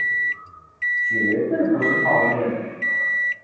絕對不是泡麵